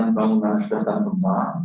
untuk bangunan bangunan sudah tergempar